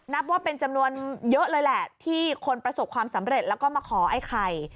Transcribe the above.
นับว่าเป็นจำนวนเยอะเลยแหละที่คนประสบความสำเร็จแล้วก็มาขอไอ้ไข่